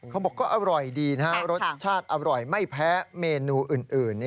เขาบอกก็อร่อยดีนะฮะรสชาติอร่อยไม่แพ้เมนูอื่น